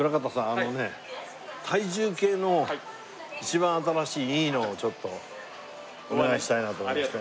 あのね体重計の一番新しいいいのをちょっとお願いしたいなと思いまして。